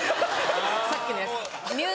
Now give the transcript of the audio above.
さっきのやつとか。